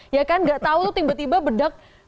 ya kan nggak tahu tuh tiba tiba bedak